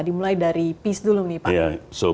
dimulai dari peace dulu pak dino